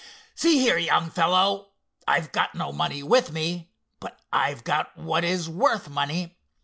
"See here, young fellow, I've got no money with me, but I've got what is worth money.